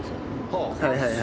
はいはいはいはい。